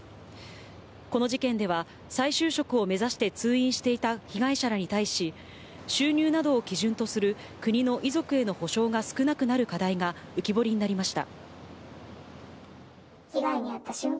この事件では、再就職を目指して通院していた被害者らに対し、収入などを基準とする国の遺族への補償が少なくなる課題が浮き彫りになりました。